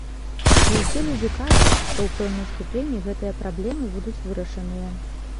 І ўсе людзі кажуць, што ў пэўнай ступені гэтыя праблемы будуць вырашаныя.